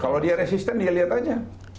kalau dia resisten dia lihat aja